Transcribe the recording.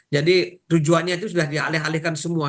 jadi rujuannya itu sudah dialih alihkan semua